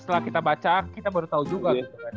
setelah kita baca kita baru tahu juga